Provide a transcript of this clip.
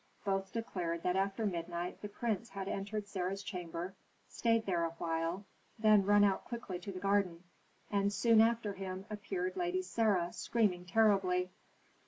Both declared that after midnight the prince had entered Sarah's chamber, stayed there awhile, then run out quickly to the garden, and soon after him appeared Lady Sarah, screaming terribly.